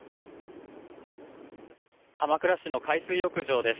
鎌倉市の海水浴場です。